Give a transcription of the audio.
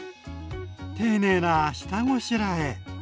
丁寧な下ごしらえ！